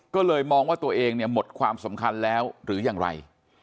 ก็เลยมองว่าตัวเองเนี่ยหมดความสำคัญแล้วหรือยังไร